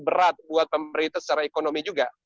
berat buat pemerintah secara ekonomi juga